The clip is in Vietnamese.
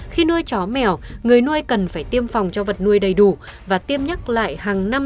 khi nuôi chó mèo người nuôi cần phải tiêm phòng cho vật nuôi đầy đủ và tiêm nhắc lại hàng năm